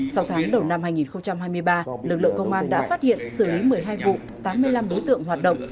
sau tháng đầu năm hai nghìn hai mươi ba lực lượng công an đã phát hiện xử lý một mươi hai vụ tám mươi năm đối tượng hoạt động